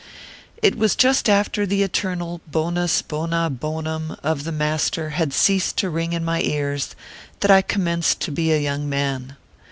It was just after the eternal " Bonus Bona Bo num" of the master had ceased to ring in my ears, that I commenced to be a young man.